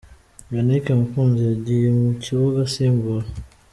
Yannick Mukunzi yagiye mu kibuga asimbura .